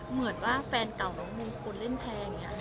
เหมือนว่าแฟนเก่าน้องมงคุณเล่นแชร์เนี่ย